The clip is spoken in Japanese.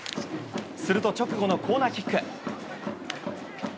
すると直後のコーナーキック。